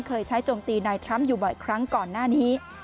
เคยใช้โจมตีนายทรัมป์อยู่บ่อยครั้งก่อนหน้านี้